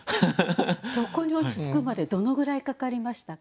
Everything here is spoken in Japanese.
そこに落ち着くまでどのぐらいかかりましたか？